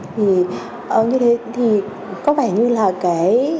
thì như thế thì có vẻ như là cái